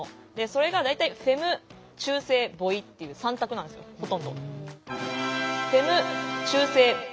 それが大体「フェム」「中性」「ボイ」っていう３択なんですよほとんど。